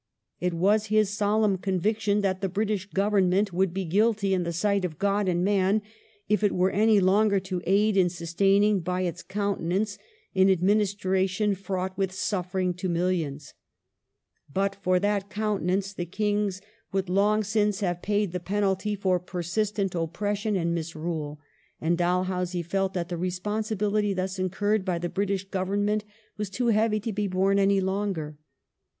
It was his solemn conviction that " the British Grovemment would be guilty in the sight of God and man if it were any longer to aid in sus taining by its countenance an administration fraught with suffering to millions ". But for that countenance the Kings would long 1866] ANNEXATION OF OUDH 279 since have paid the penalty for persistent oppression and misrule, and Dalhousie felt that the responsibility thus incurred by the British Government was too heavy to be borne any longer.